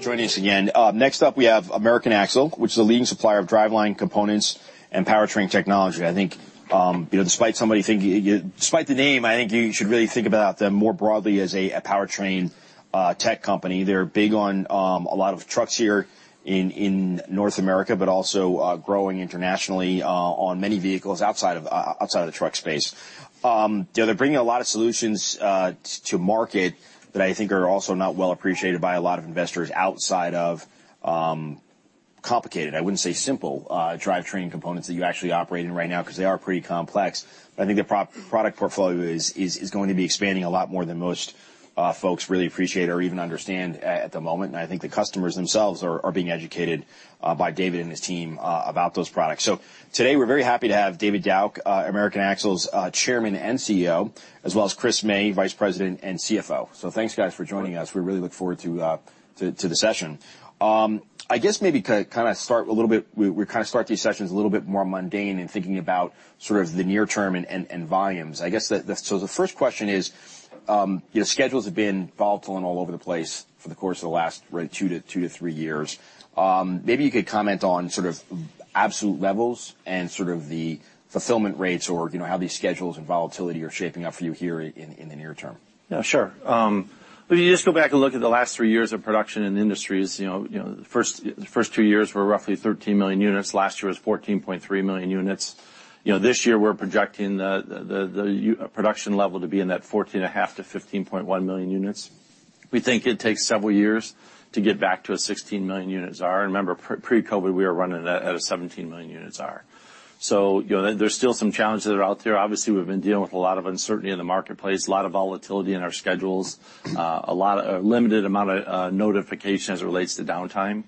Joining us again. Next up, we have American Axle, which is a leading supplier of driveline components and powertrain technology. I think, you know, despite somebody thinking despite the name, I think you should really think about them more broadly as a powertrain tech company. They're big on a lot of trucks here in North America, but also growing internationally on many vehicles outside of outside of the truck space. You know, they're bringing a lot of solutions to market that I think are also not well appreciated by a lot of investors outside of complicated, I wouldn't say simple, drivetrain components that you actually operate in right now, because they are pretty complex. I think their pro-product portfolio is going to be expanding a lot more than most folks really appreciate or even understand at the moment. I think the customers themselves are being educated by David and his team about those products. Today, we're very happy to have David Dauch, American Axle's Chairman and CEO, as well as Chris May, Vice President and CFO. Thanks, guys, for joining us. We really look forward to the session. I guess maybe kind of start a little bit... We kind of start these sessions a little bit more mundane in thinking about sort of the near term and volumes. I guess the first question is, you know, schedules have been volatile and all over the place for the course of the last two to three years. Maybe you could comment on sort of absolute levels and sort of the fulfillment rates or, you know, how these schedules and volatility are shaping up for you here in the near term. Yeah, sure. If you just go back and look at the last three years of production in the industries, you know, you know, the first two years were roughly 13 million units. Last year was 14.3 million units. You know, this year we're projecting the u-production level to be in that 14.5 million-15.1 million units. We think it takes several years to get back to a 16 million units R. Remember, pre-COVID, we were running at a 17 million units R. You know, there's still some challenges that are out there. Obviously, we've been dealing with a lot of uncertainty in the marketplace, a lot of volatility in our schedules, limited amount of notification as it relates to downtime.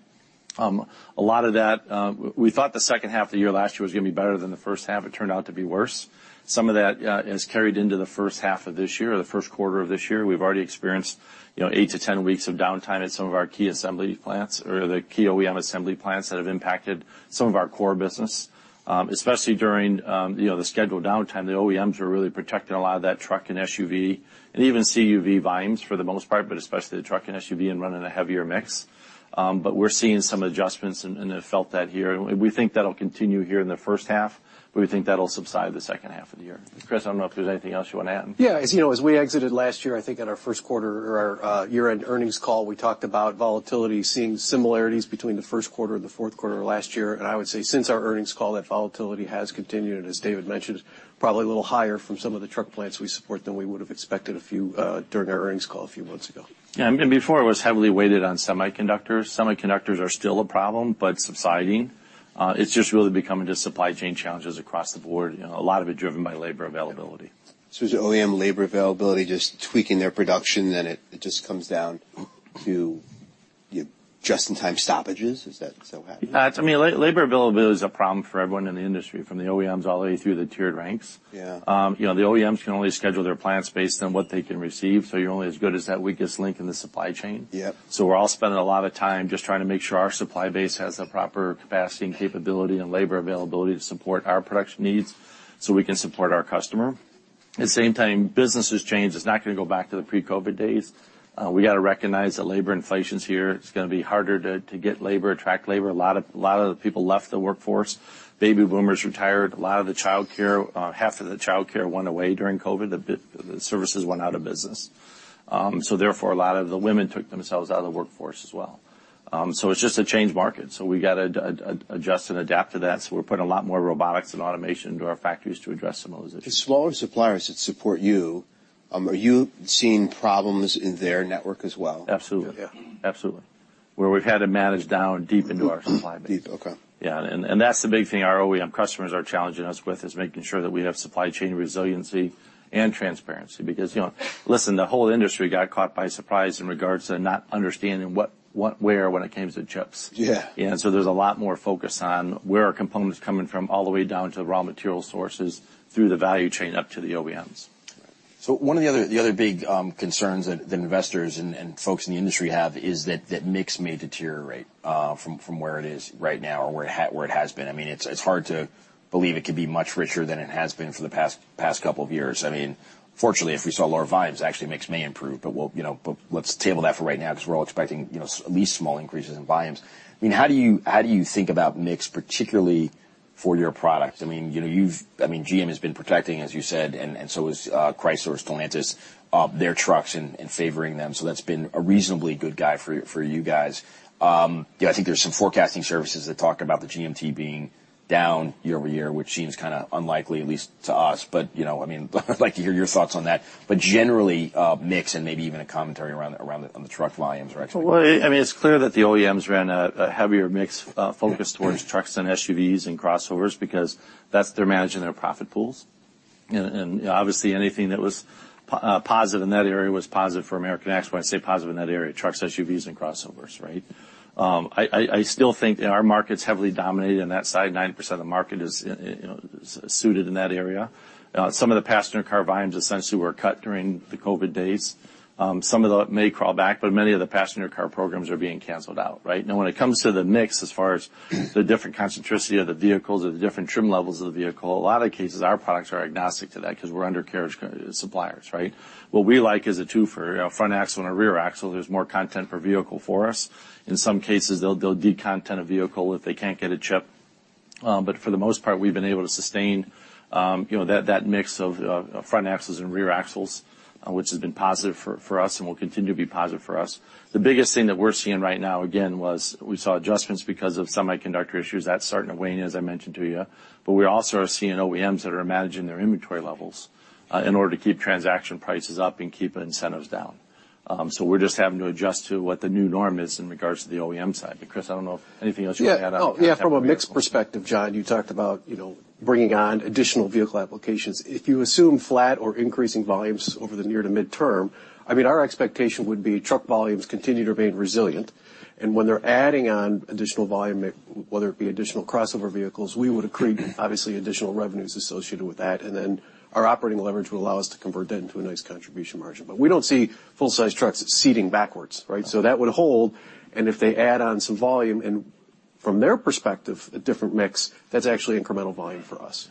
A lot of that, we thought the second half of the year last year was gonna be better than the first half. It turned out to be worse. Some of that has carried into the first half of this year or the first quarter of this year. We've already experienced, you know, 8-10 weeks of downtime at some of our key assembly plants or the key OEM assembly plants that have impacted some of our core business, especially during, you know, the scheduled downtime. The OEMs were really protecting a lot of that truck and SUV and even CUV volumes for the most part, especially the truck and SUV and running a heavier mix. We're seeing some adjustments and have felt that here. We think that'll continue here in the first half, but we think that'll subside the second half of the year. Chris, I don't know if there's anything else you want to add. Yeah. As you know, as we exited last year, I think at our first quarter or our year-end earnings call, we talked about volatility seeing similarities between the first quarter and the fourth quarter of last year. I would say since our earnings call, that volatility has continued, as David mentioned, probably a little higher from some of the truck plants we support than we would have expected a few during our earnings call a few months ago. Yeah. Before it was heavily weighted on semiconductors. Semiconductors are still a problem, but subsiding. It's just really becoming just supply chain challenges across the board, you know, a lot of it driven by labor availability. Is your OEM labor availability just tweaking their production, then it just comes down to just in time stoppages? Is that still happening? to me, labor availability is a problem for everyone in the industry, from the OEMs all the way through the tiered ranks. Yeah. You know, the OEMs can only schedule their plants based on what they can receive. You're only as good as that weakest link in the supply chain. Yep. We're all spending a lot of time just trying to make sure our supply base has the proper capacity and capability and labor availability to support our production needs, so we can support our customer. At the same time, business has changed. It's not going to go back to the pre-COVID days. We got to recognize that labor inflation's here. It's going to be harder to get labor, attract labor. A lot of the people left the workforce. Baby boomers retired. A lot of the childcare, half of the childcare went away during COVID. The services went out of business. Therefore, a lot of the women took themselves out of the workforce as well. It's just a changed market, so we got to adjust and adapt to that. We're putting a lot more robotics and automation into our factories to address some of those issues. The smaller suppliers that support you, are you seeing problems in their network as well? Absolutely. Yeah. Absolutely. Where we've had to manage down deep into our supply base. Deep. Okay. Yeah. That's the big thing our OEM customers are challenging us with, is making sure that we have supply chain resiliency and transparency. You know, listen, the whole industry got caught by surprise in regards to not understanding what, where, when it came to chips. Yeah. There's a lot more focus on where are components coming from all the way down to raw material sources through the value chain up to the OEMs. One of the other, the other big concerns that the investors and folks in the industry have is that that mix may deteriorate from where it is right now or where it has been. I mean, it's hard to believe it could be much richer than it has been for the past couple of years. I mean, fortunately, if we saw lower volumes, actually mix may improve. We'll, you know, but let's table that for right now 'cause we're all expecting, you know, at least small increases in volumes. I mean, how do you think about mix, particularly for your products? I mean, you know, GM has been protecting, as you said, and so is Chrysler, Stellantis, their trucks and favoring them. That's been a reasonably good guy for you guys. you know, I think there's some forecasting services that talk about the GMT being down year-over-year, which seems kinda unlikely, at least to us. But, you know, I mean, I'd like to hear your thoughts on that. But generally, mix and maybe even a commentary around the, on the truck volumes direction. Well, I mean, it's clear that the OEMs ran a heavier mix focused towards trucks and SUVs and crossovers because that's their managing their profit pools. Obviously, anything that was positive in that area was positive for American Axle. When I say positive in that area, trucks, SUVs, and crossovers, right? I still think our market's heavily dominated on that side. 90% of the market is, you know, is suited in that area. Some of the passenger car volumes essentially were cut during the COVID days. Some of that may crawl back, but many of the passenger car programs are being canceled out, right? Now, when it comes to the mix, as far as the different concentricity of the vehicles or the different trim levels of the vehicle, a lot of cases, our products are agnostic to that because we're undercarriage suppliers, right? What we like is a two-fer, a front axle and a rear axle. There's more content per vehicle for us. In some cases, they'll de-content a vehicle if they can't get a chip. But for the most part, we've been able to sustain, you know, that mix of front axles and rear axles, which has been positive for us and will continue to be positive for us. The biggest thing that we're seeing right now, again, was we saw adjustments because of semiconductor issues. That's starting to wane, as I mentioned to you. We also are seeing OEMs that are managing their inventory levels, in order to keep transaction prices up and keep incentives down. We're just having to adjust to what the new norm is in regards to the OEM side. Chris, I don't know if anything else you want to add on- Yeah. Oh, yeah. ...from a mix perspective. From a mix perspective, John, you talked about, you know, bringing on additional vehicle applications. If you assume flat or increasing volumes over the near to mid-term, I mean, our expectation would be truck volumes continue to remain resilient. When they're adding on additional volume, whether it be additional crossover vehicles, we would accrete obviously additional revenues associated with that, and then our operating leverage will allow us to convert that into a nice contribution margin. We don't see full-sized trucks ceding backwards, right? That would hold, and if they add on some volume, and from their perspective, a different mix, that's actually incremental volume for us.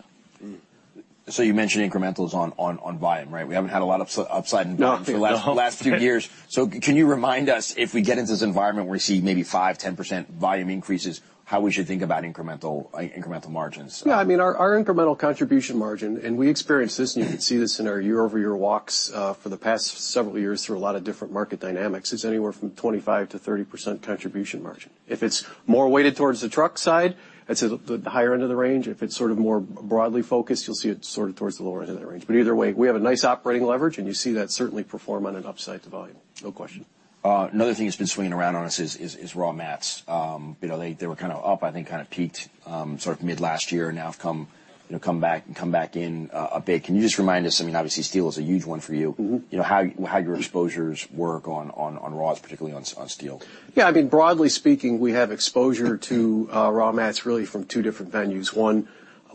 Mm. You mentioned incrementals on volume, right? We haven't had a lot of upside in volume. No, we don't. ...for the last few years. Can you remind us, if we get into this environment, we see maybe 5%, 10% volume increases, how we should think about incremental margins? I mean, our incremental contribution margin, and we experience this, and you can see this in our year-over-year walks, for the past several years through a lot of different market dynamics, is anywhere from 25%-30% contribution margin. If it's more weighted towards the truck side, it's at the higher end of the range. If it's sort of more broadly focused, you'll see it sort of towards the lower end of that range. Either way, we have a nice operating leverage, and you see that certainly perform on an upside to volume. No question. Another thing that's been swinging around on us is raw mats. You know, they were kind of up, I think kind of peaked, sort of mid-last year, and now have come, you know, come back in a bit. Can you just remind us, I mean, obviously, steel is a huge one for you. Mm-hmm. You know, how your exposures work on raws, particularly on steel. Yeah. I mean, broadly speaking, we have exposure to, raw mats really from two different venues. One,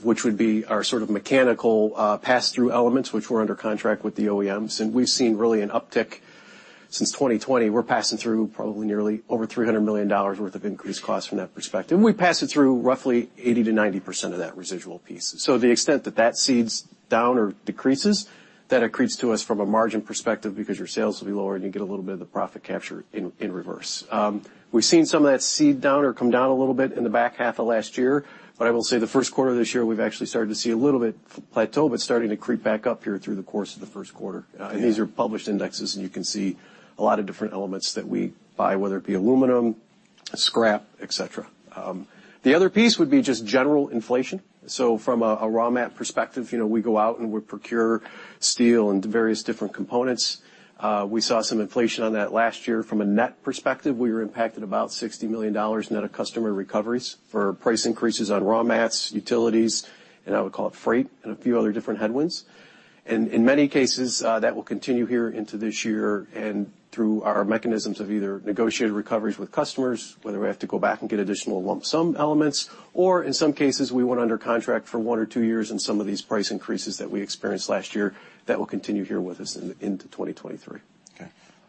which would be our sort of mechanical, pass-through elements, which we're under contract with the OEMs. We've seen really an uptick since 2020. We're passing through probably nearly over $300 million worth of increased costs from that perspective. We pass it through roughly 80%-90% of that residual piece. The extent that that seeds down or decreases, that accretes to us from a margin perspective because your sales will be lower and you get a little bit of the profit capture in reverse. We've seen some of that seed down or come down a little bit in the back half of last year, but I will say the first quarter of this year, we've actually started to see a little bit plateau, but starting to creep back up here through the course of the first quarter. These are published indexes, and you can see a lot of different elements that we buy, whether it be aluminum, scrap, et cetera. The other piece would be just general inflation. From a raw mat perspective, you know, we go out and we procure steel and various different components. We saw some inflation on that last year. From a net perspective, we were impacted about $60 million net of customer recoveries for price increases on raw mats, utilities, and I would call it freight, and a few other different headwinds. In many cases, that will continue here into this year and through our mechanisms of either negotiated recoveries with customers, whether we have to go back and get additional lump sum elements, or in some cases, we went under contract for one or two years in some of these price increases that we experienced last year. That will continue here with us into 2023.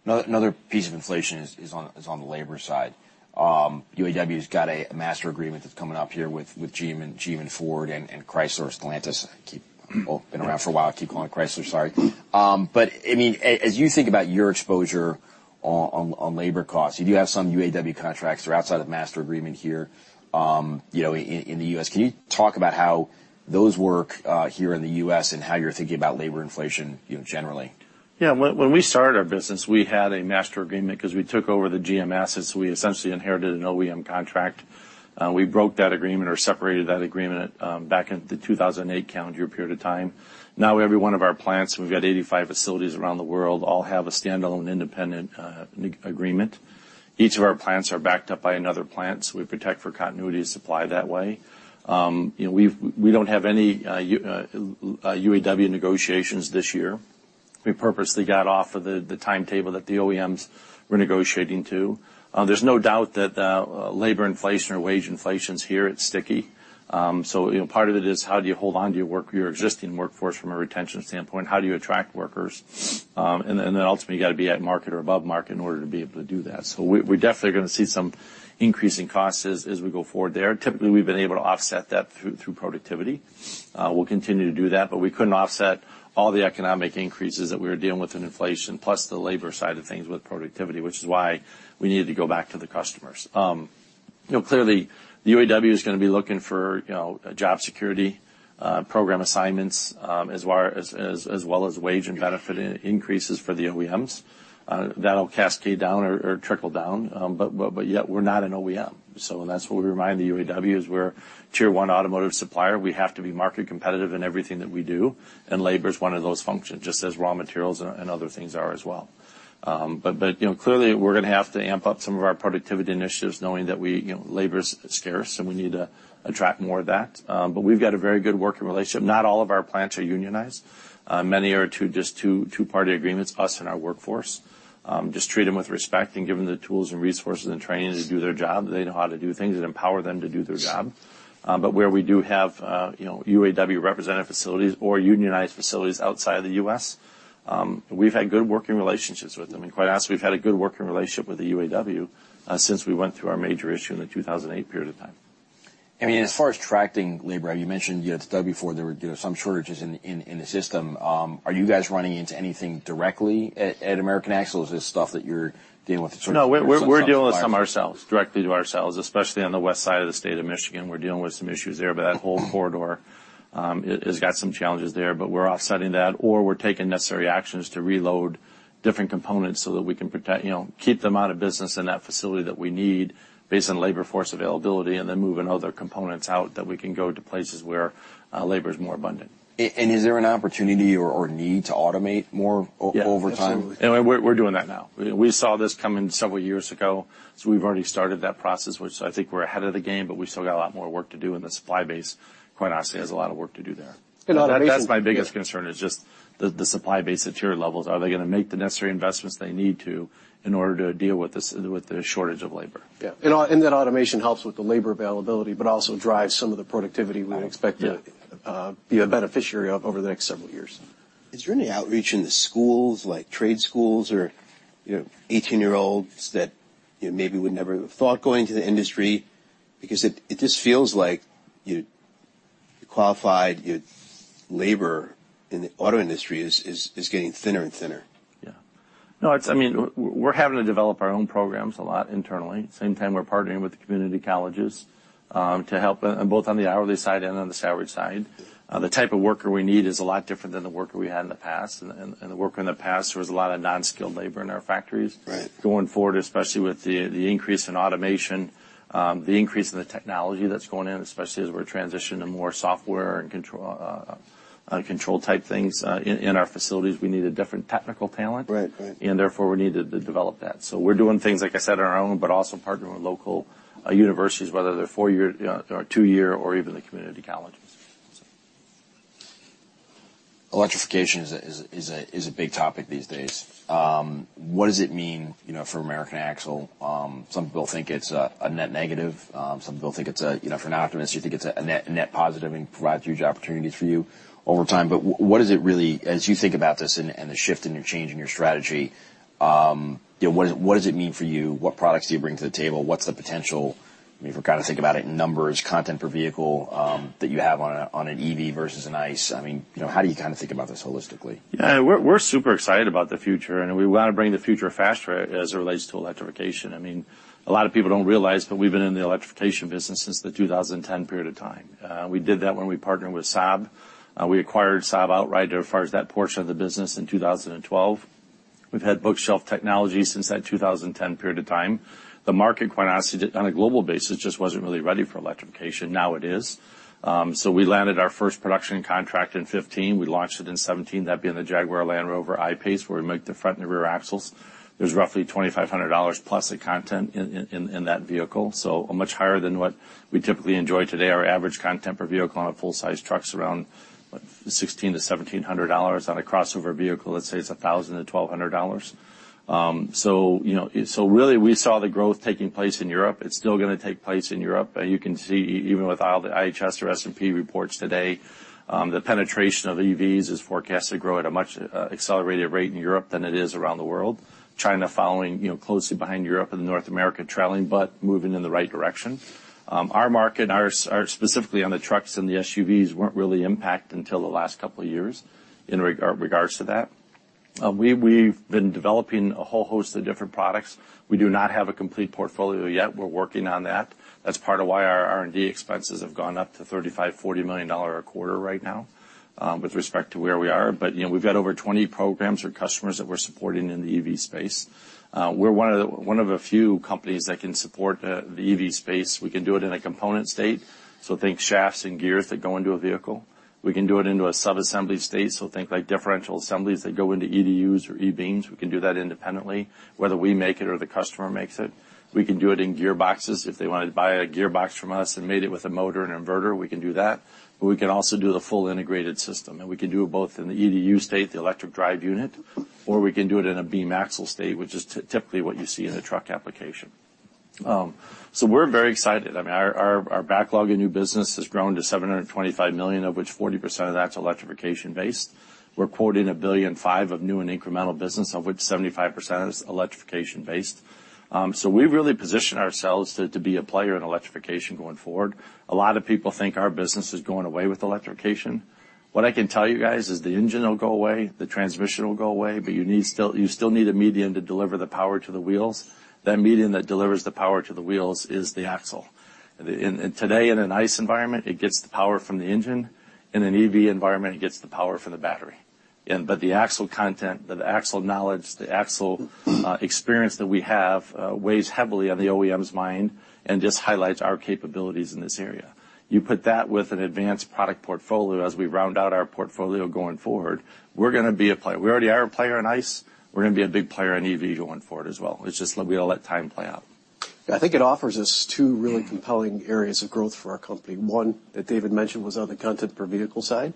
Another piece of inflation is on the labor side. UAW's got a Master Agreement that's coming up here with GM and Ford and Chrysler, Stellantis. Well, been around for a while. Keep calling it Chrysler, sorry. I mean, as you think about your exposure on labor costs, you do have some UAW contracts that are outside of the Master Agreement here, you know, in the U.S. Can you talk about how those work here in the U.S. and how you're thinking about labor inflation, you know, generally? When we started our business, we had a Master Agreement 'cause we took over the GM assets, we essentially inherited an OEM contract. We broke that agreement or separated that agreement back in the 2008 calendar period of time. Every one of our plants, we've got 85 facilities around the world, all have a standalone independent agreement. Each of our plants are backed up by another plant, we protect for continuity of supply that way. You know, we don't have any UAW negotiations this year. We purposely got off of the timetable that the OEMs were negotiating to. There's no doubt that labor inflation or wage inflation's here. It's sticky. You know, part of it is how do you hold on to your existing workforce from a retention standpoint? How do you attract workers? Ultimately, you gotta be at market or above market in order to be able to do that. We're definitely gonna see some increasing costs as we go forward there. Typically, we've been able to offset that through productivity. We'll continue to do that, but we couldn't offset all the economic increases that we were dealing with in inflation plus the labor side of things with productivity, which is why we needed to go back to the customers. You know, clearly the UAW is gonna be looking for, you know, job security, program assignments, as well as wage and benefit increases for the OEMs. That'll cascade down or trickle down. Yet we're not an OEM, and that's what we remind the UAW is we're a tier one automotive supplier. We have to be market competitive in everything that we do, and labor's one of those functions, just as raw materials and other things are as well. You know, clearly we're gonna have to amp up some of our productivity initiatives knowing that we, you know, labor's scarce and we need to attract more of that. We've got a very good working relationship. Not all of our plants are unionized. Many are to just two party agreements, us and our workforce. Just treat them with respect and give them the tools and resources and training to do their job. They know how to do things and empower them to do their job. Where we do have, you know, UAW representative facilities or unionized facilities outside the U.S., we've had good working relationships with them. Quite honestly, we've had a good working relationship with the UAW since we went through our major issue in the 2008 period of time. I mean, as far as tracking labor, you mentioned you had studied before. There were, you know, some shortages in the system. Are you guys running into anything directly at American Axle, or is this stuff that you're dealing with sort of? We're dealing with some ourselves, directly to ourselves, especially on the west side of the state of Michigan. We're dealing with some issues there, but that whole corridor, it has got some challenges there, but we're offsetting that or we're taking necessary actions to reload different components so that we can protect, you know, keep the amount of business in that facility that we need based on labor force availability and then moving other components out that we can go to places where labor is more abundant. Is there an opportunity or need to automate more over time? Yeah. Absolutely. We're doing that now. We saw this coming several years ago, so we've already started that process, which I think we're ahead of the game, but we've still got a lot more work to do in the supply base, quite honestly, there's a lot of work to do there. In all bases. That's my biggest concern is just the supply base at tier levels. Are they going to make the necessary investments they need to in order to deal with the shortage of labor? Yeah. Automation helps with the labor availability, but also drives some of the productivity we would expect. Yeah... be a beneficiary of over the next several years. Is there any outreach in the schools, like trade schools or, you know, 18-year-olds that, you know, maybe would never have thought going to the industry? It just feels like qualified labor in the auto industry is getting thinner and thinner. Yeah. No, I mean, we're having to develop our own programs a lot internally. Same time, we're partnering with the community colleges, to help both on the hourly side and on the salary side. The type of worker we need is a lot different than the worker we had in the past. The worker in the past was a lot of non-skilled labor in our factories. Right. Going forward, especially with the increase in automation, the increase in the technology that's going in, especially as we're transitioning to more software and control type things in our facilities, we need a different technical talent. Right. Right. Therefore, we need to develop that. We're doing things, like I said, on our own, but also partnering with local universities, whether they're four year or two year or even the community colleges. Electrification is a big topic these days. What does it mean, you know, for American Axle? Some people think it's a net negative. Some people think it's a, you know, for an optimist, you think it's a net positive and provides huge opportunities for you over time. What is it really as you think about this and the shift in your change in your strategy, you know, what does it mean for you? What products do you bring to the table? What's the potential, I mean, if we kinda think about it, numbers, content per vehicle that you have on an EV versus an ICE. I mean, you know, how do you kinda think about this holistically? Yeah. We're super excited about the future, we wanna bring the future faster as it relates to electrification. I mean, a lot of people don't realize, we've been in the electrification business since the 2010 period of time. We did that when we partnered with Saab. We acquired Saab outright as far as that portion of the business in 2012. We've had bookshelf technology since that 2010 period of time. The market, quite honestly, on a global basis, just wasn't really ready for electrification. Now it is. We landed our first production contract in 2015. We launched it in 2017, that being the Jaguar Land Rover I-PACE, where we make the front and the rear axles. There's roughly $2,500+ of content in that vehicle, so much higher than what we typically enjoy today. Our average content per vehicle on a full-size truck's around, what, $1,600-$1,700. On a crossover vehicle, let's say it's $1,000-$1,200. you know, really, we saw the growth taking place in Europe. It's still gonna take place in Europe. You can see even with all the IHS or S&P reports today, the penetration of EVs is forecast to grow at a much accelerated rate in Europe than it is around the world. China following, you know, closely behind Europe and North America trailing, but moving in the right direction. Our market, our specifically on the trucks and the SUVs weren't really impacted until the last couple of years in regards to that. We've been developing a whole host of different products. We do not have a complete portfolio yet. We're working on that. That's part of why our R&D expenses have gone up to $35 million-$40 million a quarter right now, with respect to where we are. You know, we've got over 20 programs or customers that we're supporting in the EV space. We're one of the few companies that can support the EV space. We can do it in a component state, so think shafts and gears that go into a vehicle. We can do it into a sub-assembly state, so think like differential assemblies that go into EDUs or e-Beams. We can do that independently, whether we make it or the customer makes it. We can do it in gearboxes. If they wanted to buy a gearbox from us and mate it with a motor and inverter, we can do that. We can also do the full integrated system, and we can do it both in the EDU state, the electric drive unit, or we can do it in an e-Beam axle state, which is typically what you see in a truck application. We're very excited. I mean, our backlog in new business has grown to $725 million, of which 40% of that's electrification-based. We're quoting $1.5 billion of new and incremental business, of which 75% is electrification-based. We've really positioned ourselves to be a player in electrification going forward. A lot of people think our business is going away with electrification. What I can tell you guys is the engine will go away, the transmission will go away, you still need a medium to deliver the power to the wheels. That medium that delivers the power to the wheels is the axle. Today, in an ICE environment, it gets the power from the engine. In an EV environment, it gets the power from the battery. The axle content, the axle knowledge, the axle experience that we have weighs heavily on the OEM's mind and just highlights our capabilities in this area. You put that with an advanced product portfolio as we round out our portfolio going forward, we're gonna be a player. We already are a player in ICE. We're gonna be a big player in EV going forward as well. It's just we gotta let time play out. Yeah, I think it offers us two really compelling areas of growth for our company. One, that David mentioned, was on the content per vehicle side.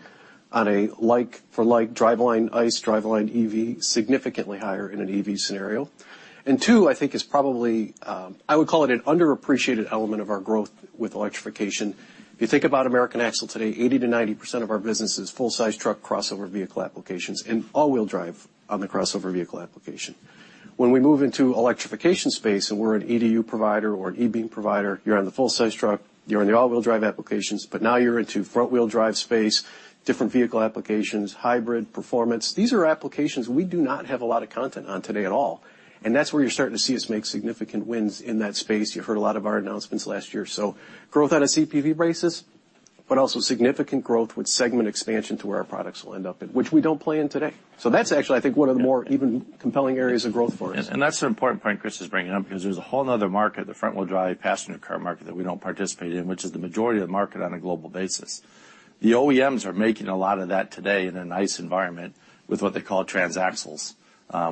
On a like for like driveline ICE, driveline EV, significantly higher in an EV scenario. Two, I think is probably, I would call it an underappreciated element of our growth with electrification. If you think about American Axle today, 80%-90% of our business is full size truck crossover vehicle applications and all-wheel drive on the crossover vehicle application. When we move into electrification space, and we're an EDU provider or an e-Beam provider, you're on the full size truck, you're in the all-wheel drive applications, but now you're into front wheel drive space, different vehicle applications, hybrid performance. These are applications we do not have a lot of content on today at all, and that's where you're starting to see us make significant wins in that space. You've heard a lot of our announcements last year. Growth on a CPV basis, but also significant growth with segment expansion to where our products will end up in, which we don't play in today. That's actually, I think, one of the more even compelling areas of growth for us. That's an important point Chris is bringing up because there's a whole another market, the front wheel drive passenger car market that we don't participate in, which is the majority of the market on a global basis. The OEMs are making a lot of that today in a nice environment with what they call transaxles,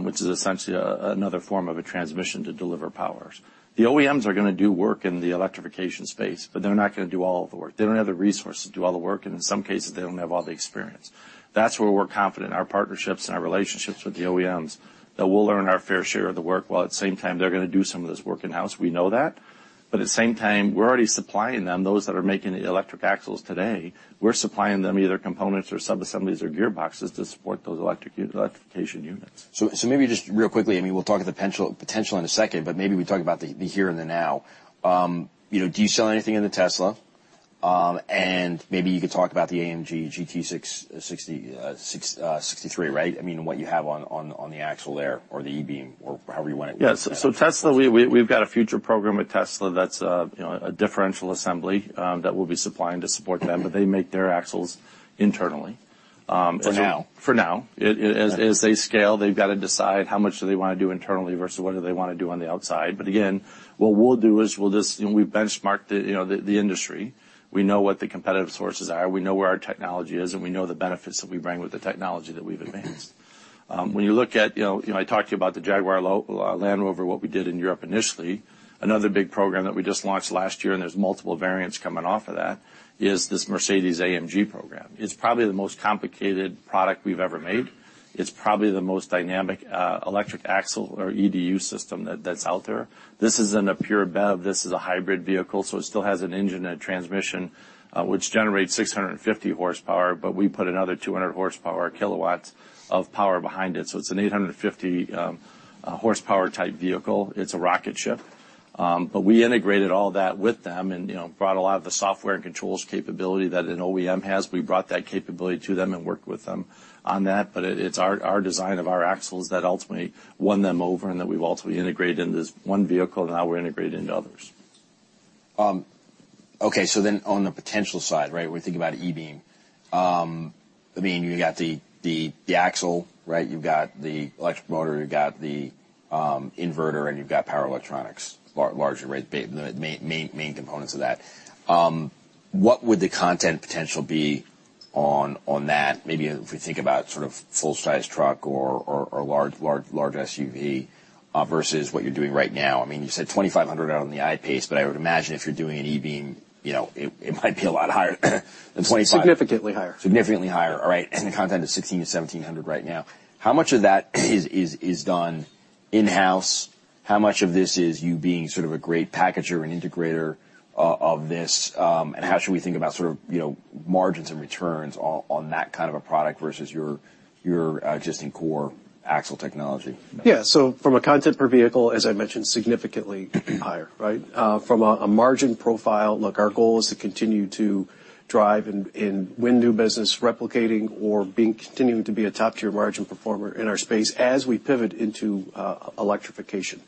which is essentially another form of a transmission to deliver powers. The OEMs are gonna do work in the electrification space, but they're not gonna do all of the work. They don't have the resource to do all the work, and in some cases, they don't have all the experience. That's where we're confident in our partnerships and our relationships with the OEMs, that we'll earn our fair share of the work while at the same time they're gonna do some of this work in-house. We know that. At the same time, we're already supplying them, those that are making the electric axles today, we're supplying them either components or sub-assemblies or gearboxes to support those electric electrification units. Maybe just real quickly, I mean, we'll talk of the potential in a second, but maybe we talk about the here and the now. You know, do you sell anything in the Tesla? Maybe you could talk about the AMG GT 63, right? I mean, what you have on the axle there or the e-Beam or however you want it. Tesla, we've got a future program with Tesla that's, you know, a differential assembly. They make their axles internally. For now. For now. As they scale, they've got to decide how much do they wanna do internally versus what do they wanna do on the outside. Again, what we'll do is we'll just, you know, we benchmark the industry. We know what the competitive sources are, we know where our technology is, and we know the benefits that we bring with the technology that we've advanced. When you look at, you know, I talked to you about the Jaguar Land Rover, what we did in Europe initially. Another big program that we just launched last year, and there's multiple variants coming off of that, is this Mercedes-AMG program. It's probably the most complicated product we've ever made. It's probably the most dynamic electric axle or EDU system that's out there. This isn't a pure BEV, this is a hybrid vehicle, so it still has an engine and transmission, which generates 650 horsepower, but we put another 200 horsepower kilowatts of power behind it. It's an 850 horsepower type vehicle. It's a rocket ship. We integrated all that with them and, you know, brought a lot of the software and controls capability that an OEM has. We brought that capability to them and worked with them on that. It's our design of our axles that ultimately won them over and that we've ultimately integrated into this one vehicle, and now we're integrated into others. Okay. On the potential side, right? We think about e-Beam. I mean, you've got the axle, right? You've got the electric motor, you've got the inverter, and you've got power electronics largely, right? The main components of that. What would the content potential be on that? Maybe if we think about sort of full size truck or large SUV, versus what you're doing right now. I mean, you said $2,500 on the I-PACE, but I would imagine if you're doing an e-Beam, you know, it might be a lot higher than $2,500. Significantly higher. Significantly higher. All right. The content is $1,600-$1,700 right now. How much of that is done in-house? How much of this is you being sort of a great packager and integrator of this, and how should we think about sort of, you know, margins and returns on that kind of a product versus your existing core axle technology? Yeah. From a content per vehicle, as I mentioned, significantly higher, right? From a margin profile, look, our goal is to continue to drive and win new business replicating or continuing to be a top-tier margin performer in our space as we pivot into electrification.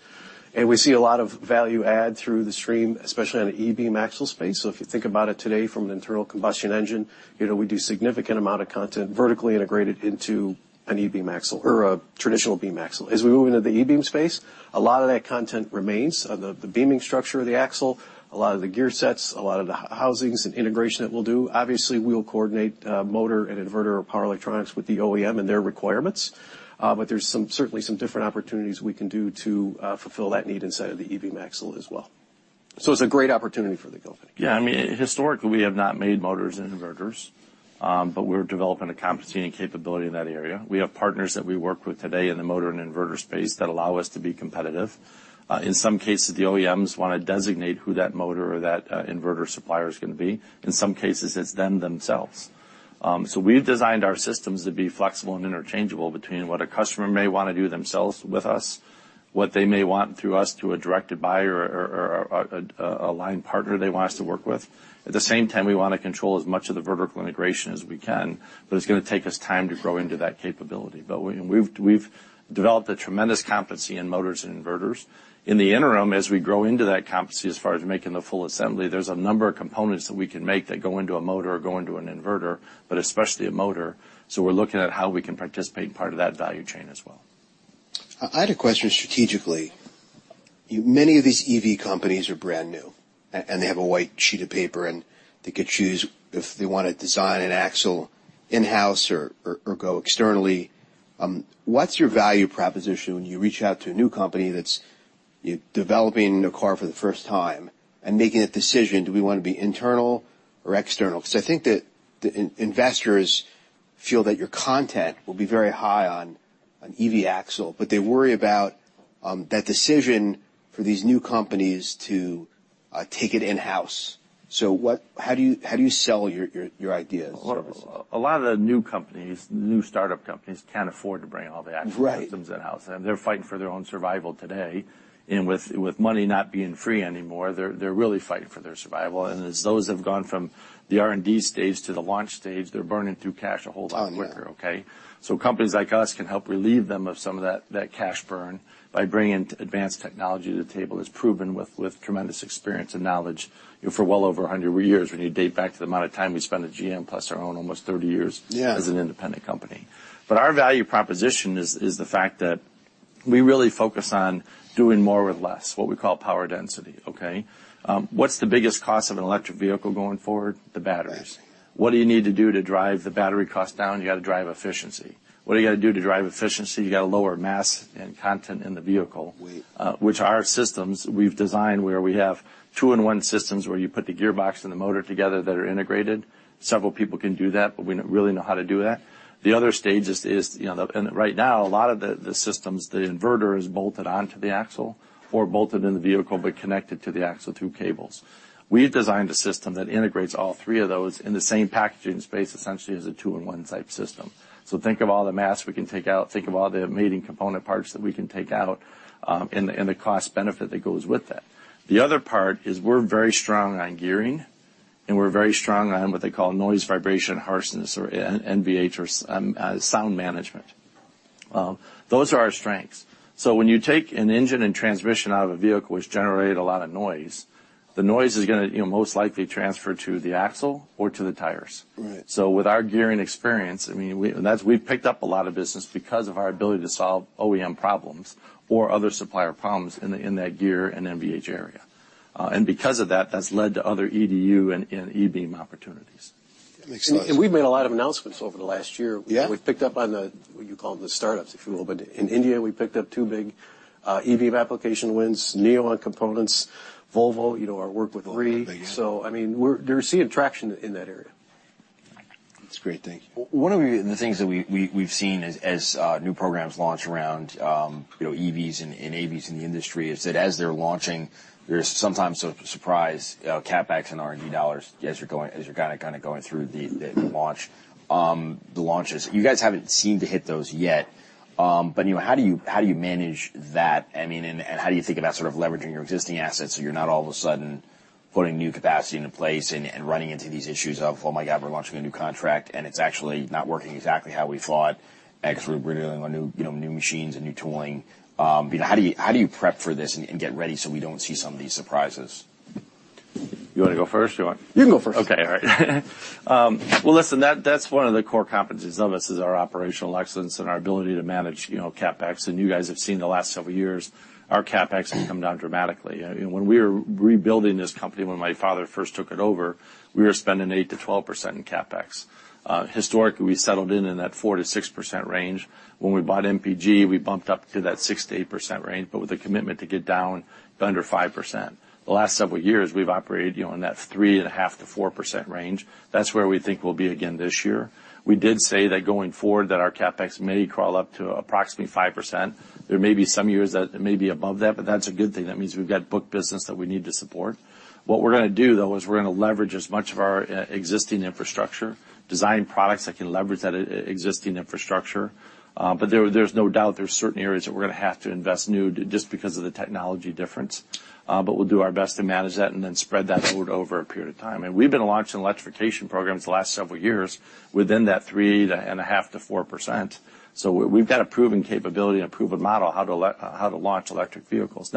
We see a lot of value add through the stream, especially on an e-Beam axle space. If you think about it today from an internal combustion engine, you know, we do significant amount of content vertically integrated into an e-Beam axle or a traditional beam axle. As we move into the e-Beam space, a lot of that content remains the beaming structure of the axle, a lot of the gear sets, a lot of the h-housings and integration that we'll do. Obviously, we'll coordinate motor and inverter or power electronics with the OEM and their requirements, but there's certainly some different opportunities we can do to fulfill that need inside of the e-Beam axle as well. It's a great opportunity for the company. Yeah. I mean, historically, we have not made motors and inverters, but we're developing a competency and capability in that area. We have partners that we work with today in the motor and inverter space that allow us to be competitive. In some cases, the OEMs wanna designate who that motor or that inverter supplier is gonna be. In some cases, it's them themselves. We've designed our systems to be flexible and interchangeable between what a customer may wanna do themselves with us, what they may want through us through a directed buy or a line partner they want us to work with. At the same time, we wanna control as much of the vertical integration as we can, but it's gonna take us time to grow into that capability. We've developed a tremendous competency in motors and inverters. In the interim, as we grow into that competency, as far as making the full assembly, there's a number of components that we can make that go into a motor or go into an inverter, but especially a motor. We're looking at how we can participate in part of that value chain as well. I had a question strategically. Many of these EV companies are brand-new, and they have a white sheet of paper, and they could choose if they wanna design an axle in-house or go externally. What's your value proposition when you reach out to a new company that's, you know, developing a car for the first time and making a decision, do we wanna be internal or external? 'Cause I think that the investors Feel that your content will be very high on EV axle, but they worry about that decision for these new companies to take it in-house. How do you sell your idea as service? A lot of the new companies, new startup companies, can't afford to bring all the. Right -systems in-house. They're fighting for their own survival today. With money not being free anymore, they're really fighting for their survival. As those have gone from the R&D stage to the launch stage, they're burning through cash a whole lot quicker, okay? Oh, yeah. Companies like us can help relieve them of some of that cash burn by bringing advanced technology to the table that's proven with tremendous experience and knowledge for well over 100 years when you date back to the amount of time we spent at GM plus our own almost 30 years. Yeah as an independent company. Our value proposition is the fact that we really focus on doing more with less, what we call power density, okay? What's the biggest cost of an electric vehicle going forward? The batteries. Batteries. What do you need to do to drive the battery cost down? You got to drive efficiency. What do you got to do to drive efficiency? You got to lower mass and content in the vehicle. Weight. Which our systems we've designed where we have two-in-one systems where you put the gearbox and the motor together that are integrated. Several people can do that, but we really know how to do that. The other stage is, you know, right now, a lot of the systems, the inverter is bolted onto the axle or bolted in the vehicle but connected to the axle through cables. We've designed a system that integrates all three of those in the same packaging space, essentially as a two-in-one type system. Think of all the mass we can take out. Think of all the mating component parts that we can take out, and the, and the cost benefit that goes with that. The other part is we're very strong on gearing, and we're very strong on what they call Noise, Vibration, and Harshness or NVH or sound management. Those are our strengths. When you take an engine and transmission out of a vehicle which generate a lot of noise, the noise is gonna, you know, most likely transfer to the axle or to the tires. Right. With our gearing experience, I mean, We've picked up a lot of business because of our ability to solve OEM problems or other supplier problems in the, in that gear and NVH area. And because of that's led to other EDU and e-Beam opportunities. Makes sense. We've made a lot of announcements over the last year. Yeah. We've picked up on the, what you call the startups, if you will. In India, we picked up two big e-Beam application wins, neon components, Volvo, you know, our work with REE. Yeah. I mean, They're seeing traction in that area. That's great. Thank you. One of the things that we've seen as new programs launch around, you know, EVs and AVs in the industry is that as they're launching, there's sometimes surprise CapEx and R&D dollars as you're kinda going through the launches. You guys haven't seemed to hit those yet. You know, how do you manage that? I mean, and how do you think about sort of leveraging your existing assets, so you're not all of a sudden putting new capacity into place and running into these issues of, oh, my god, we're launching a new contract, and it's actually not working exactly how we thought 'cause we're building on you know, new machines and new tooling. You know, how do you, how do you prep for this and get ready so we don't see some of these surprises? You wanna go first or you want... You can go first. Okay. All right. Well, listen, that's one of the core competencies of us is our operational excellence and our ability to manage, you know, CapEx. You guys have seen the last several years our CapEx has come down dramatically. You know, when we were rebuilding this company, when my father first took it over, we were spending 8%-12% in CapEx. Historically, we settled in in that 4%-6% range. When we bought MPG, we bumped up to that 6%-8% range, but with a commitment to get down to under 5%. The last several years, we've operated, you know, in that 3.5%-4% range. That's where we think we'll be again this year. We did say that going forward that our CapEx may crawl up to approximately 5%. There may be some years that it may be above that, but that's a good thing. That means we've got book business that we need to support. What we're gonna do, though, is we're gonna leverage as much of our e-existing infrastructure, design products that can leverage that e-existing infrastructure. But there's no doubt there's certain areas that we're gonna have to invest new just because of the technology difference. But we'll do our best to manage that and then spread that load over a period of time. We've been launching electrification programs the last several years within that 3.5%-4%. We've got a proven capability and a proven model how to launch electric vehicles.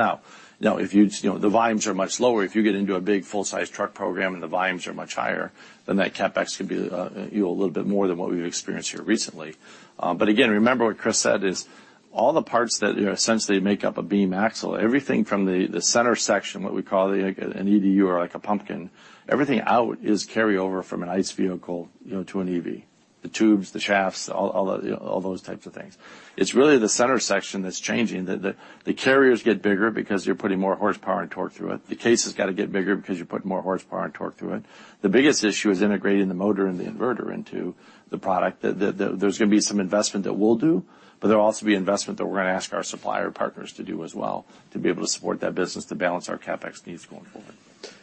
Now, you know, You know, the volumes are much lower. If you get into a big full-size truck program and the volumes are much higher, then that CapEx could be, you know, a little bit more than what we've experienced here recently. Again, remember what Chris said is all the parts that, you know, essentially make up a beam axle, everything from the center section, what we call an EDU or like a pumpkin, everything out is carryover from an ICE vehicle, you know, to an EV. The tubes, the shafts, all, you know, all those types of things. It's really the center section that's changing. The carriers get bigger because you're putting more horsepower and torque through it. The case has got to get bigger because you're putting more horsepower and torque through it. The biggest issue is integrating the motor and the inverter into the product. There's gonna be some investment that we'll do, but there'll also be investment that we're gonna ask our supplier partners to do as well to be able to support that business to balance our CapEx needs going forward.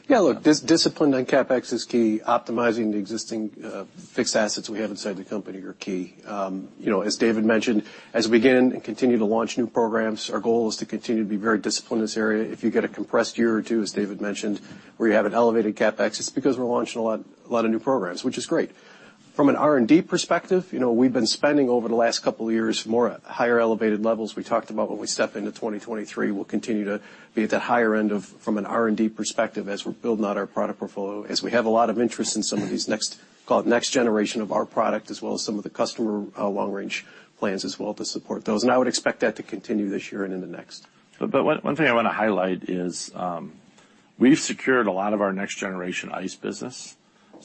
Yeah, look, discipline on CapEx is key. Optimizing the existing fixed assets we have inside the company are key. You know, as David mentioned, as we begin and continue to launch new programs, our goal is to continue to be very disciplined in this area. If you get a compressed year or two, as David mentioned, where you have an elevated CapEx, it's because we're launching a lot of new programs, which is great. From an R&D perspective, you know, we've been spending over the last couple of years more higher elevated levels. We talked about when we step into 2023, we'll continue to be at the higher end of from an R&D perspective as we're building out our product portfolio, as we have a lot of interest in some of these next, call it next generation of our product, as well as some of the customer, long-range plans as well to support those. I would expect that to continue this year and in the next. One thing I wanna highlight is. We've secured a lot of our next generation ICE business.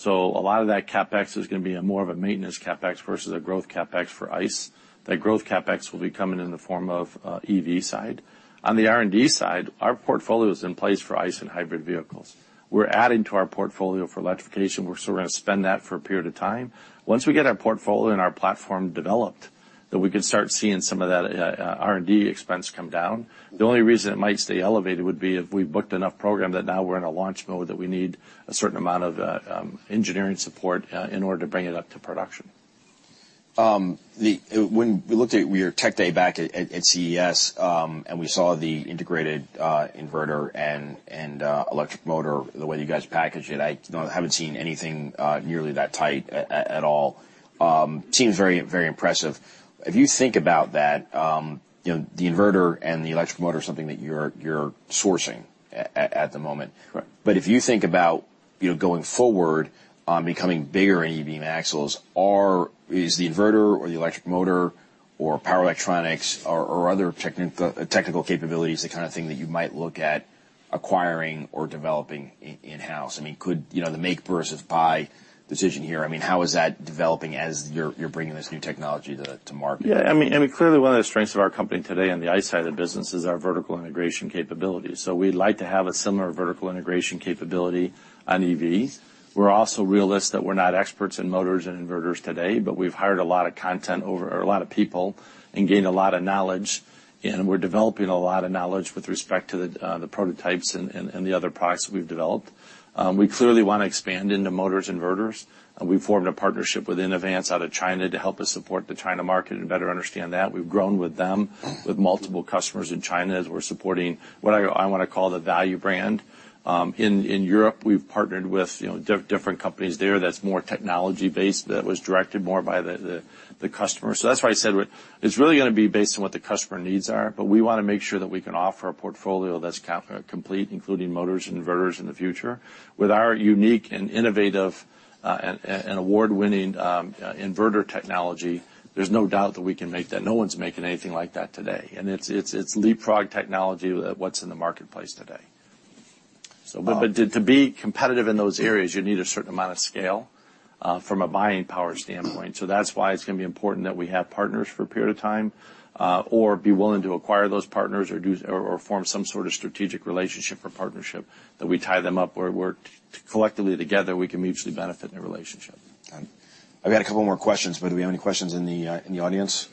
A lot of that CapEx is gonna be a more of a maintenance CapEx versus a growth CapEx for ICE. That growth CapEx will be coming in the form of EV side. On the R&D side, our portfolio is in place for ICE and hybrid vehicles. We're adding to our portfolio for electrification. We're gonna spend that for a period of time. Once we get our portfolio and our platform developed, we can start seeing some of that R&D expense come down. The only reason it might stay elevated would be if we booked enough program that now we're in a launch mode that we need a certain amount of engineering support in order to bring it up to production. When we looked at your tech day back at CES, and we saw the integrated inverter and electric motor, the way you guys package it, I haven't seen anything nearly that tight at all. Seems very, very impressive. If you think about that, you know, the inverter and the electric motor is something that you're sourcing at the moment. Correct. If you think about, you know, going forward on becoming bigger in e-Beam axles, is the inverter or the electric motor or power electronics or other technical capabilities, the kinda thing that you might look at acquiring or developing in-house? I mean, could, you know, the make versus buy decision here, I mean, how is that developing as you're bringing this new technology to market? I mean, clearly one of the strengths of our company today on the ICE side of the business is our vertical integration capabilities. We'd like to have a similar vertical integration capability on EV. We're also realists that we're not experts in motors and inverters today, but we've hired a lot of people and gained a lot of knowledge, and we're developing a lot of knowledge with respect to the prototypes and the other products we've developed. We clearly wanna expand into motors inverters, and we formed a partnership with Inovance out of China to help us support the China market and better understand that. We've grown with them with multiple customers in China, as we're supporting what I wanna call the value brand. In Europe, we've partnered with, you know, different companies there that's more technology-based, that was directed more by the customer. That's why I said it's really gonna be based on what the customer needs are, but we wanna make sure that we can offer a portfolio that's complete, including motors and inverters in the future. With our unique and innovative and award-winning inverter technology, there's no doubt that we can make that. No one's making anything like that today. It's, it's leapfrog technology what's in the marketplace today. So- To be competitive in those areas, you need a certain amount of scale from a buying power standpoint. That's why it's gonna be important that we have partners for a period of time, or be willing to acquire those partners or form some sort of strategic relationship or partnership that we tie them up where we're collectively together, we can mutually benefit in a relationship. Got it. I've got a couple more questions, but do we have any questions in the, in the audience?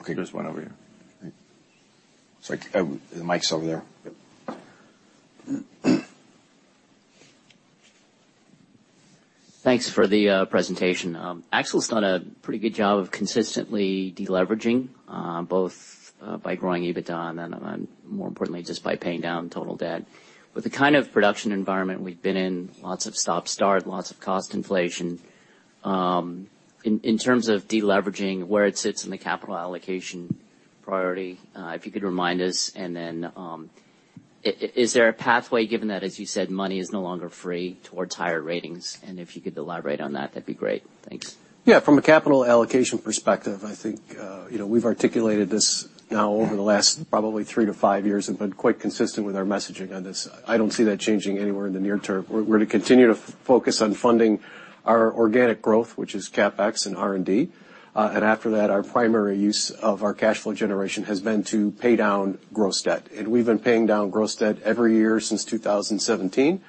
Okay, there's one over here. Sorry, the mic's over there. Yep. Thanks for the presentation. Axle's done a pretty good job of consistently deleveraging, both by growing EBITDA and then, more importantly, just by paying down total debt. With the kind of production environment we've been in, lots of stop/start, lots of cost inflation, in terms of deleveraging, where it sits in the capital allocation priority, if you could remind us. Is there a pathway, given that, as you said, money is no longer free towards higher ratings? If you could elaborate on that'd be great. Thanks. From a capital allocation perspective, I think, you know, we've articulated this now over the last probably three to five years and been quite consistent with our messaging on this. I don't see that changing anywhere in the near term. We're gonna continue to focus on funding our organic growth, which is CapEx and R&D. After that, our primary use of our cash flow generation has been to pay down gross debt. We've been paying down gross debt every year since 2017.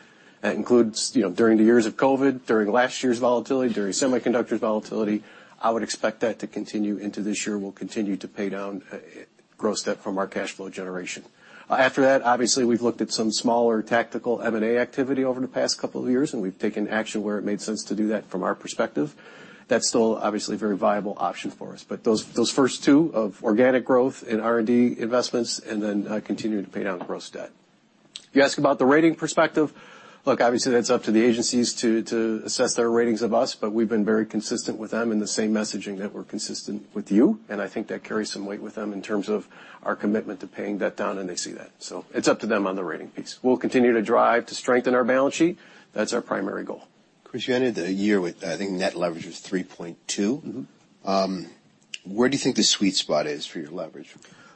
That includes, you know, during the years of COVID, during last year's volatility, during semiconductor's volatility. I would expect that to continue into this year. We'll continue to pay down gross debt from our cash flow generation. After that, obviously, we've looked at some smaller tactical M&A activity over the past couple of years, and we've taken action where it made sense to do that from our perspective. That's still obviously a very viable option for us. Those first two of organic growth and R&D investments and then continuing to pay down gross debt. You ask about the rating perspective. Look, obviously, that's up to the agencies to assess their ratings of us, but we've been very consistent with them in the same messaging that we're consistent with you. I think that carries some weight with them in terms of our commitment to paying debt down, and they see that. It's up to them on the rating piece. We'll continue to drive to strengthen our balance sheet. That's our primary goal. Chris, you ended the year with, I think, net leverage was 3.2. Mm-hmm. Where do you think the sweet spot is for your leverage?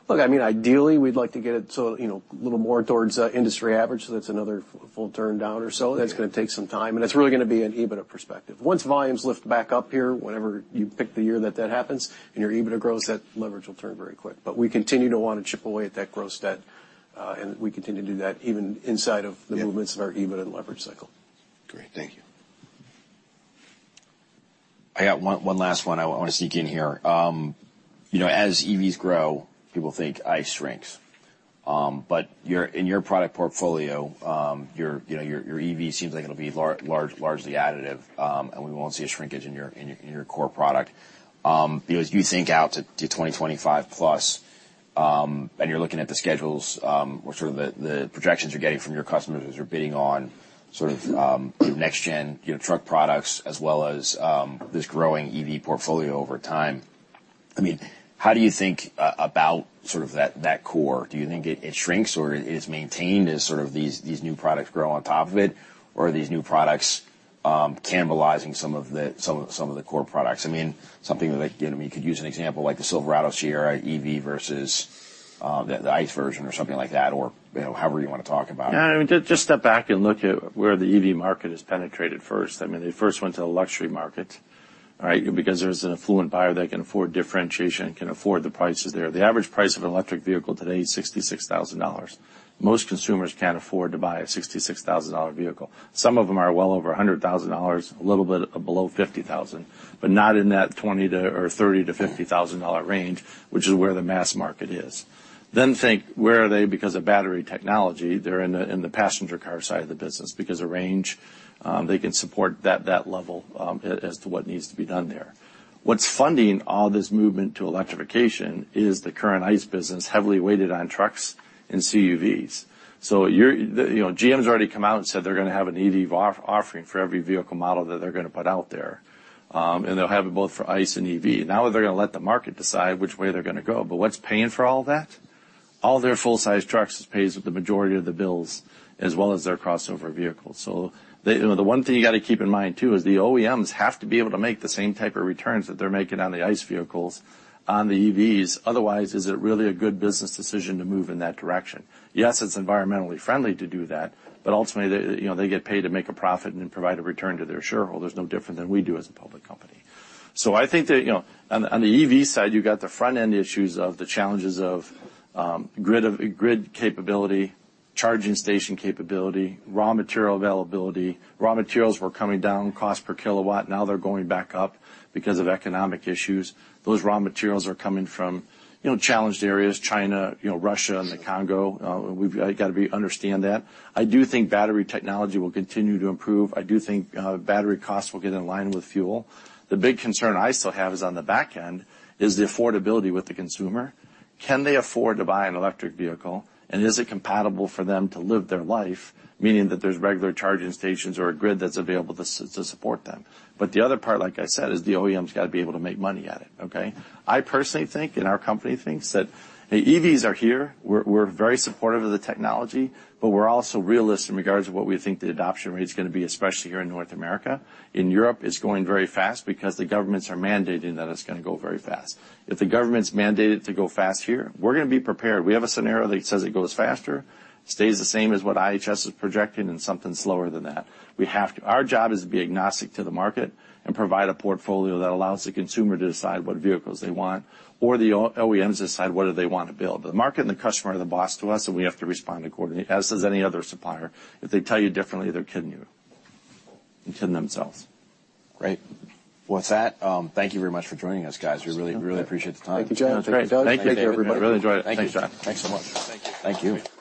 Look, I mean, ideally, we'd like to get it so, you know, a little more towards industry average, so that's another full turn down or so. That's gonna take some time, and it's really gonna be an EBITDA perspective. Once volumes lift back up here, whenever you pick the year that that happens and your EBITDA grows, that leverage will turn very quick. We continue to wanna chip away at that gross debt, and we continue to do that even inside of the movements of our EBITDA leverage cycle. Great. Thank you. I got one last one I want to sneak in here. You know, as EVs grow, people think ICE shrinks. But in your product portfolio, your, you know, your EV seems like it'll be largely additive, and we won't see a shrinkage in your, in your core product. You know, as you think out to 2025+, and you're looking at the schedules, or sort of the projections you're getting from your customers as you're bidding on sort of next gen, you know, truck products as well as this growing EV portfolio over time, I mean, how do you think about sort of that core? Do you think it shrinks or it is maintained as sort of these new products grow on top of it? These new products, cannibalizing some of the core products. I mean, something that, you know, you could use an example like the Silverado and Sierra EV versus the ICE version or something like that or, you know, however you wanna talk about it. Yeah, I mean, just step back and look at where the EV market has penetrated first. I mean, they first went to the luxury market, right? Because there's an affluent buyer there can afford differentiation, can afford the prices there. The average price of an electric vehicle today is $66,000. Most consumers can't afford to buy a $66,000 vehicle. Some of them are well over $100,000, a little bit below $50,000, but not in that $30,000-$50,000 range, which is where the mass market is. Then think, where are they because of battery technology? They're in the, in the passenger car side of the business because of range, they can support that level as to what needs to be done there. What's funding all this movement to electrification is the current ICE business, heavily weighted on trucks and CUVs. You know, GM's already come out and said they're gonna have an EV offering for every vehicle model that they're gonna put out there. They'll have it both for ICE and EV. Now they're gonna let the market decide which way they're gonna go. What's paying for all that? All their full-size trucks pays the majority of the bills as well as their crossover vehicles. You know, the one thing you gotta keep in mind too is the OEMs have to be able to make the same type of returns that they're making on the ICE vehicles on the EVs. Otherwise, is it really a good business decision to move in that direction? Yes, it's environmentally friendly to do that. Ultimately, they, you know, they get paid to make a profit and provide a return to their shareholders, no different than we do as a public company. I think that, you know, on the EV side, you got the front end issues of the challenges of grid capability, charging station capability, raw material availability. Raw materials were coming down, cost per kilowatt. Now they're going back up because of economic issues. Those raw materials are coming from, you know, challenged areas, China, you know, Russia and the Congo. We understand that. I do think battery technology will continue to improve. I do think battery costs will get in line with fuel. The big concern I still have is on the back end, is the affordability with the consumer. Can they afford to buy an electric vehicle? Is it compatible for them to live their life, meaning that there's regular charging stations or a grid that's available to support them. The other part, like I said, is the OEM's gotta be able to make money at it, okay. I personally think, and our company thinks that EVs are here. We're very supportive of the technology, but we're also realistic in regards to what we think the adoption rate is gonna be, especially here in North America. In Europe, it's going very fast because the governments are mandating that it's gonna go very fast. If the government's mandate it to go fast here, we're gonna be prepared. We have a scenario that says it goes faster, stays the same as what IHS is projecting and something slower than that. We have to... Our job is to be agnostic to the market and provide a portfolio that allows the consumer to decide what vehicles they want or the OEMs decide whether they wanna build. The market and the customer are the boss to us, and we have to respond accordingly, as does any other supplier. If they tell you differently, they're kidding you and kidding themselves. Great. With that, thank you very much for joining us, guys. We really, really appreciate the time. Thank you, John. That was great. Thank you. Thank you, everybody. Really enjoyed it. Thanks, John. Thanks so much. Thank you. Thank you.